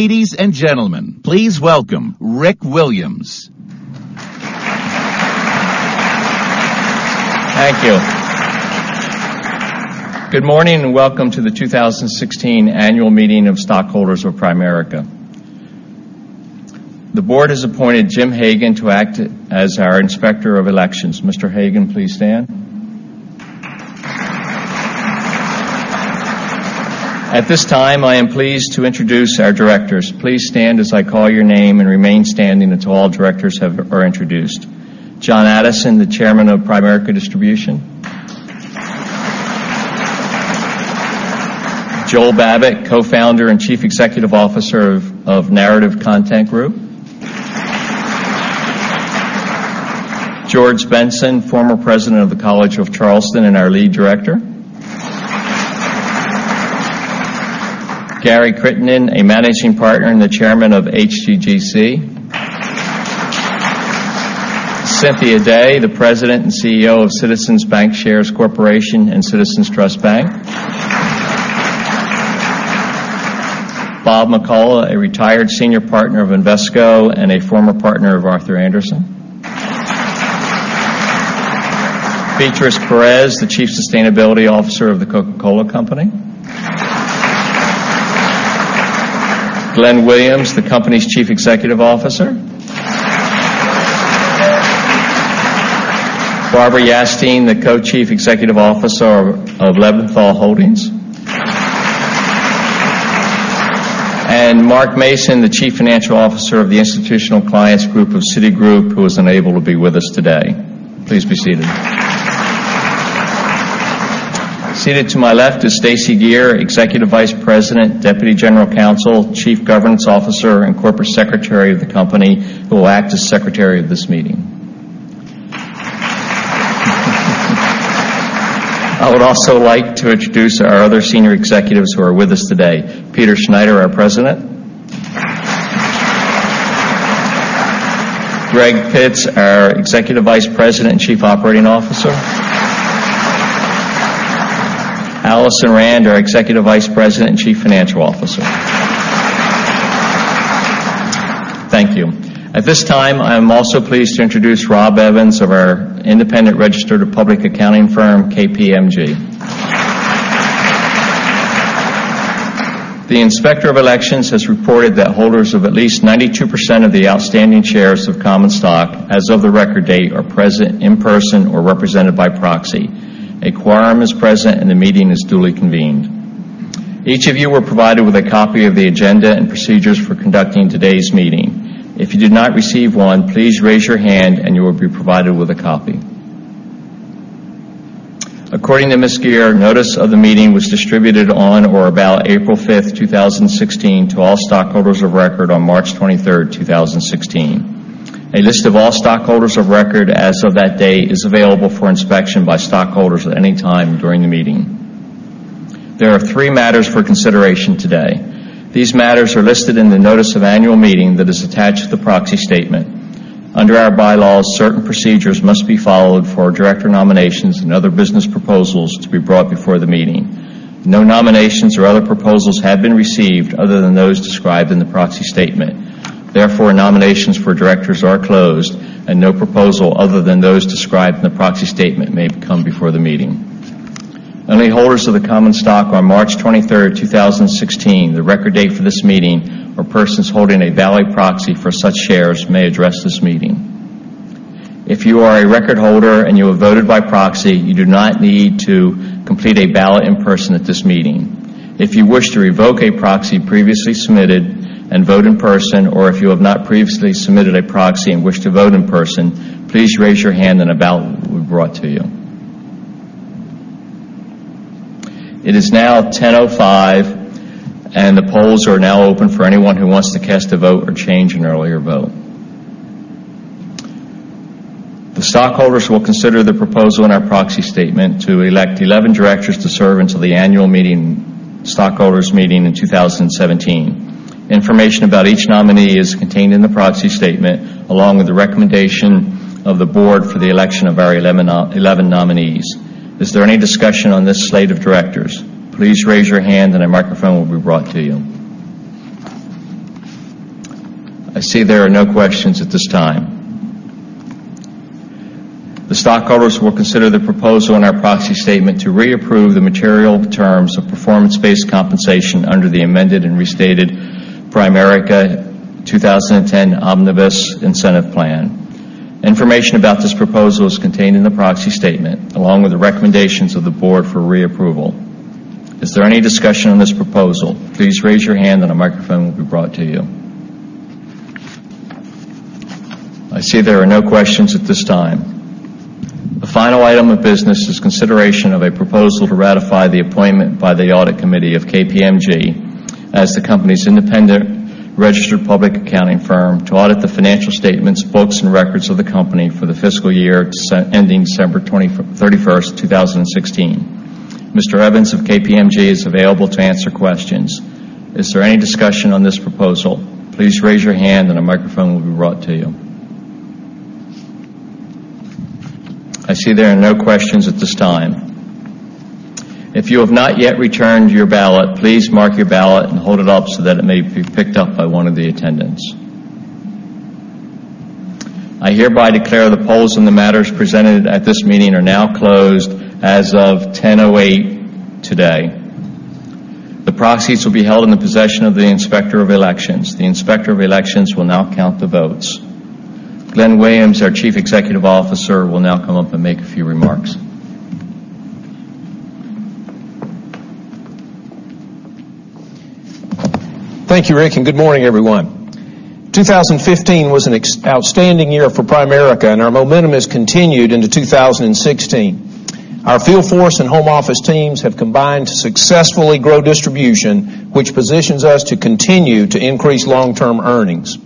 Ladies and gentlemen, please welcome Rick Williams. Thank you. Good morning, and welcome to the 2016 annual meeting of stockholders of Primerica. The board has appointed Jim Hagan to act as our inspector of elections. Mr. Hagan, please stand. At this time, I am pleased to introduce our directors. Please stand as I call your name and remain standing until all directors are introduced. John Addison, the chairman of Primerica Distribution. Joel Babbit, co-founder and chief executive officer of Narrative Content Group. George Benson, former president of the College of Charleston and our lead director. Gary Crittenden, a managing partner and the chairman of HGGC. Cynthia Day, the president and CEO of Citizens Bancshares Corporation and Citizens Trust Bank. Bob McCullough, a retired senior partner of Invesco and a former partner of Arthur Andersen. Beatriz Perez, the chief sustainability officer of The Coca-Cola Company. Glenn Williams, the company's chief executive officer. Barbara Yastine, the co-chief executive officer of Lebenthal Holdings. Mark Mason, the chief financial officer of the Institutional Clients Group of Citigroup, who was unable to be with us today. Please be seated. Seated to my left is Stacey Geer, executive vice president, deputy general counsel, chief governance officer, and corporate secretary of the company, who will act as secretary of this meeting. I would also like to introduce our other senior executives who are with us today. Peter Schneider, our president. Greg Pitts, our executive vice president and chief operating officer. Alison Rand, our executive vice president and chief financial officer. Thank you. At this time, I am also pleased to introduce Rob Evans of our independent registered public accounting firm, KPMG. The Inspector of Elections has reported that holders of at least 92% of the outstanding shares of common stock as of the record date are present in person or represented by proxy. A quorum is present, and the meeting is duly convened. Each of you were provided with a copy of the agenda and procedures for conducting today's meeting. If you did not receive one, please raise your hand and you will be provided with a copy. According to Ms. Geer, notice of the meeting was distributed on or about April 5th, 2016, to all stockholders of record on March 23rd, 2016. A list of all stockholders of record as of that day is available for inspection by stockholders at any time during the meeting. There are three matters for consideration today. These matters are listed in the notice of annual meeting that is attached to the proxy statement. Under our bylaws, certain procedures must be followed for director nominations and other business proposals to be brought before the meeting. No nominations or other proposals have been received other than those described in the proxy statement. Therefore, nominations for directors are closed, and no proposal other than those described in the proxy statement may come before the meeting. Only holders of the common stock on March 23rd, 2016, the record date for this meeting, or persons holding a valid proxy for such shares, may address this meeting. If you are a record holder and you have voted by proxy, you do not need to complete a ballot in person at this meeting. If you wish to revoke a proxy previously submitted and vote in person, or if you have not previously submitted a proxy and wish to vote in person, please raise your hand and a ballot will be brought to you. It is now 10:05 A.M. The polls are now open for anyone who wants to cast a vote or change an earlier vote. The stockholders will consider the proposal in our proxy statement to elect 11 directors to serve until the annual stockholders meeting in 2017. Information about each nominee is contained in the proxy statement, along with the recommendation of the board for the election of our 11 nominees. Is there any discussion on this slate of directors? Please raise your hand and a microphone will be brought to you. I see there are no questions at this time. The stockholders will consider the proposal in our proxy statement to reapprove the material terms of performance-based compensation under the Amended and Restated Primerica 2010 Omnibus Incentive Plan. Information about this proposal is contained in the proxy statement, along with the recommendations of the board for reapproval. Is there any discussion on this proposal? Please raise your hand and a microphone will be brought to you. I see there are no questions at this time. The final item of business is consideration of a proposal to ratify the appointment by the Audit Committee of KPMG as the company's independent registered public accounting firm to audit the financial statements, books, and records of the company for the fiscal year ending December 31st, 2016. Mr. Evans of KPMG is available to answer questions. Is there any discussion on this proposal? Please raise your hand and a microphone will be brought to you. I see there are no questions at this time. If you have not yet returned your ballot, please mark your ballot and hold it up so that it may be picked up by one of the attendants. I hereby declare the polls on the matters presented at this meeting are now closed as of 10:08 A.M. today. The proxies will be held in the possession of the Inspector of Elections. The Inspector of Elections will now count the votes. Glenn Williams, our Chief Executive Officer, will now come up and make a few remarks. Thank you, Rick, good morning, everyone. 2015 was an outstanding year for Primerica, and our momentum has continued into 2016. Our field force and home office teams have combined to successfully grow distribution, which positions us to continue to increase long-term earnings.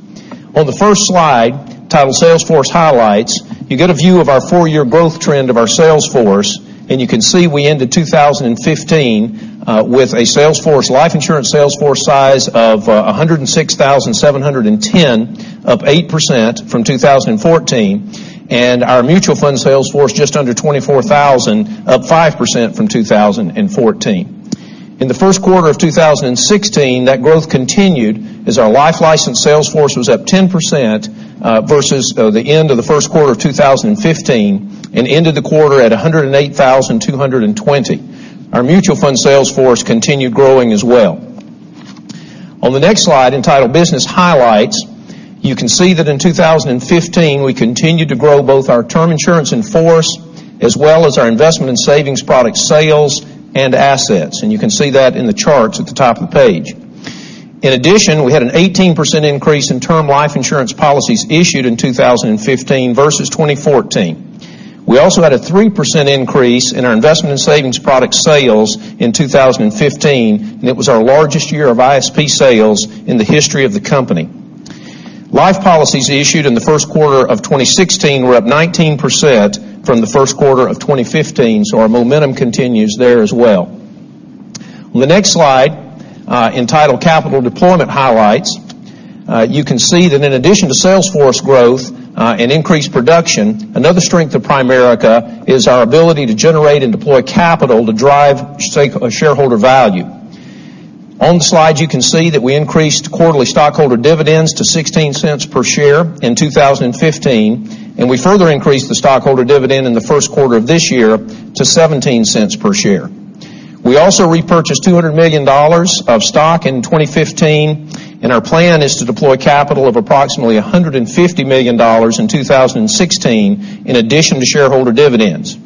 On the first slide, titled Sales Force Highlights, you get a view of our four-year growth trend of our sales force, and you can see we ended 2015 with a life insurance sales force size of 106,710, up 8% from 2014, and our mutual fund sales force just under 24,000, up 5% from 2014. In the first quarter of 2016, that growth continued as our life license sales force was up 10% versus the end of the first quarter of 2015, and ended the quarter at 108,220. Our mutual fund sales force continued growing as well. On the next slide, entitled Business Highlights, you can see that in 2015, we continued to grow both our term insurance in force as well as our investment and savings product sales and assets. You can see that in the charts at the top of the page. In addition, we had an 18% increase in term life insurance policies issued in 2015 versus 2014. We also had a 3% increase in our investment and savings product sales in 2015, and it was our largest year of ISP sales in the history of the company. Life policies issued in the first quarter of 2016 were up 19% from the first quarter of 2015, so our momentum continues there as well. On the next slide, entitled Capital Deployment Highlights, you can see that in addition to sales force growth, and increased production, another strength of Primerica is our ability to generate and deploy capital to drive shareholder value. On the slide, you can see that we increased quarterly stockholder dividends to $0.16 per share in 2015, and we further increased the stockholder dividend in the first quarter of this year to $0.17 per share. We also repurchased $200 million of stock in 2015, and our plan is to deploy capital of approximately $150 million in 2016 in addition to shareholder dividends.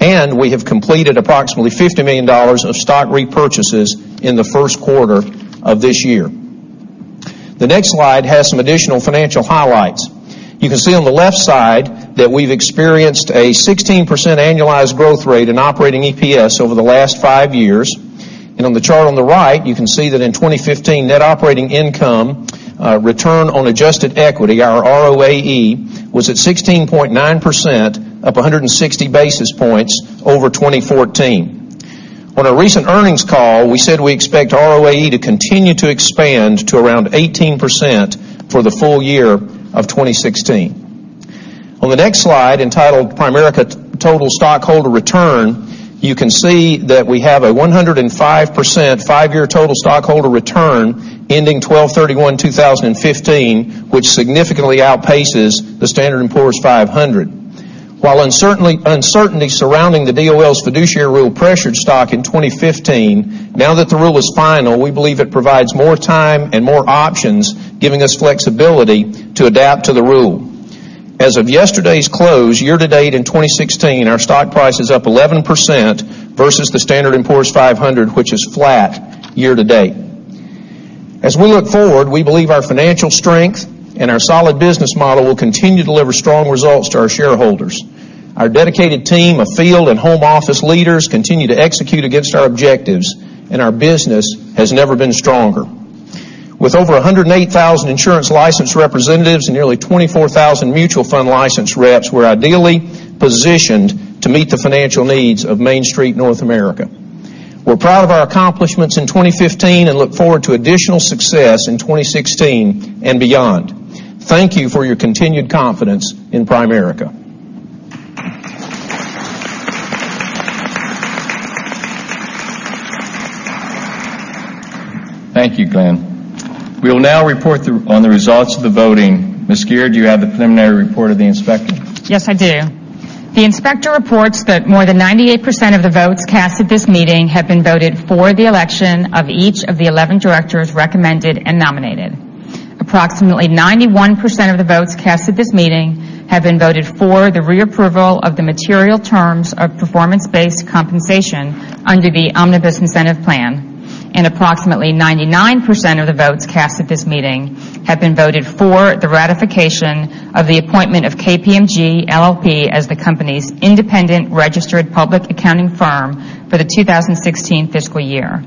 We have completed approximately $50 million of stock repurchases in the first quarter of this year. The next slide has some additional financial highlights. You can see on the left side that we've experienced a 16% annualized growth rate in operating EPS over the last five years. On the chart on the right, you can see that in 2015, net operating income, return on adjusted equity, our ROAE, was at 16.9%, up 160 basis points over 2014. On a recent earnings call, we said we expect ROAE to continue to expand to around 18% for the full year of 2016. On the next slide, entitled Primerica Total Stockholder Return, you can see that we have a 105% five-year total stockholder return ending 12/31/2015, which significantly outpaces the Standard & Poor's 500. While uncertainty surrounding the DOL's fiduciary rule pressured stock in 2015, now that the rule is final, we believe it provides more time and more options, giving us flexibility to adapt to the rule. As of yesterday's close, year to date in 2016, our stock price is up 11% versus the Standard & Poor's 500, which is flat year to date. As we look forward, we believe our financial strength and our solid business model will continue to deliver strong results to our shareholders. Our dedicated team of field and home office leaders continue to execute against our objectives, our business has never been stronger. With over 108,000 insurance licensed representatives and nearly 24,000 mutual fund licensed reps, we're ideally positioned to meet the financial needs of Main Street North America. We're proud of our accomplishments in 2015 and look forward to additional success in 2016 and beyond. Thank you for your continued confidence in Primerica. Thank you, Glenn. We will now report on the results of the voting. Ms. Geer, do you have the preliminary report of the inspector? Yes, I do. The inspector reports that more than 98% of the votes cast at this meeting have been voted for the election of each of the 11 directors recommended and nominated. Approximately 91% of the votes cast at this meeting have been voted for the reapproval of the material terms of performance-based compensation under the Omnibus Incentive Plan. Approximately 99% of the votes cast at this meeting have been voted for the ratification of the appointment of KPMG LLP as the company's independent registered public accounting firm for the 2016 fiscal year.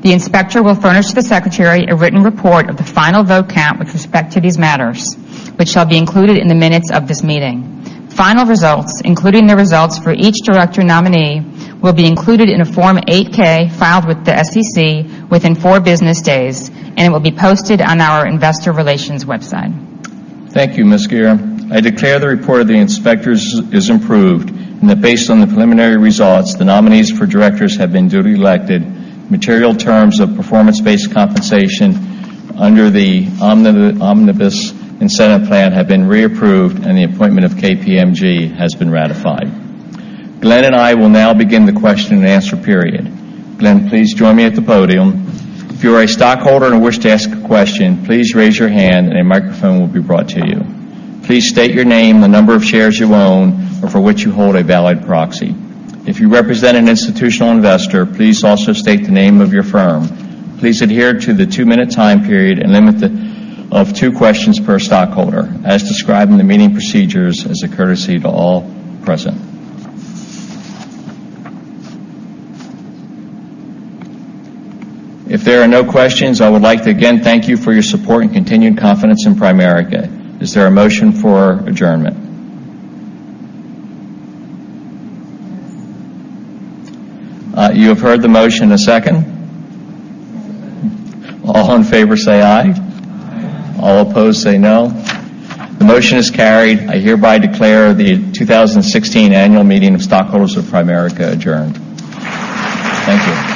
The inspector will furnish to the secretary a written report of the final vote count with respect to these matters, which shall be included in the minutes of this meeting. Final results, including the results for each director nominee, will be included in a Form 8-K filed with the SEC within four business days, it will be posted on our investor relations website. Thank you, Ms. Geer. I declare the report of the inspectors is approved, and that based on the preliminary results, the nominees for directors have been duly elected, material terms of performance-based compensation under the Omnibus Incentive Plan have been reapproved, and the appointment of KPMG has been ratified. Glenn and I will now begin the question and answer period. Glenn, please join me at the podium. If you are a stockholder and wish to ask a question, please raise your hand and a microphone will be brought to you. Please state your name, the number of shares you own, or for which you hold a valid proxy. If you represent an institutional investor, please also state the name of your firm. Please adhere to the two-minute time period and limit of two questions per stockholder, as described in the meeting procedures as a courtesy to all present. If there are no questions, I would like to again thank you for your support and continued confidence in Primerica. Is there a motion for adjournment? You have heard the motion. A second? Second. All in favor say aye. Aye. All opposed say no. The motion is carried. I hereby declare the 2016 annual meeting of stockholders of Primerica adjourned. Thank you.